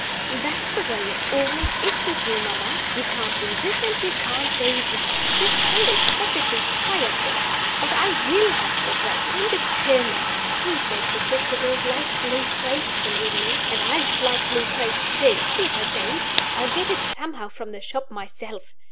"That's the way it always is with you, mamma you can't do this, and you can't do that you are so excessively tiresome! But I will have the dress, I'm determined. He says his sister wears light blue crape of an evening; and I'll have light blue crape, too see if I don't! I'll get it somehow from the shop, myself.